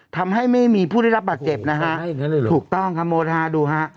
ทำให้ไม่มีผู้ได้รับบาดเจ็บนะฮะถูกต้องครับโมทาดูฮะ